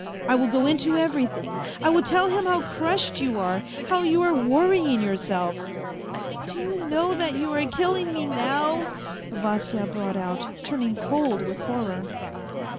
... I will go into everything. I will tell him how crushed you are, how you are worrying yourself." " Do you know that you are killing me now ?" Vasya brought out, turning cold with horror.